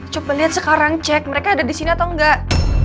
coba lihat sekarang cek mereka ada disini atau enggak